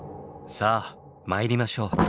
さあ参りましょう。